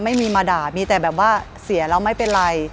ไม่มีมาด่ามีแต่แบบว่าเสียแล้วไม่เป็นไร